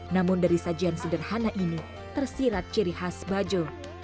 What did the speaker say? namun dari sajian sederhana ini tersirat ciri khas bajo